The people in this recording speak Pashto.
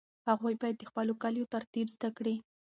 هغوی باید د خپلو کاليو ترتیب زده کړي.